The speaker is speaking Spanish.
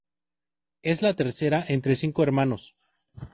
Es la tercera entre cinco hermanos.